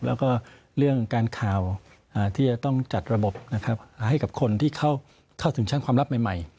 แล้วก็เรื่องการข่าวที่จะต้องจัดระบบนะครับให้กับคนที่เข้าถึงชั้นความลับใหม่